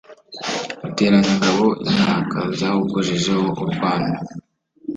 ruteranyangabo, inkaka zawukojejeho urwano